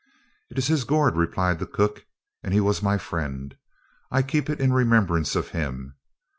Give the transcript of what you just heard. "It is his gourd," replied the cook; "and he was my friend. I keep it in remembrance of him.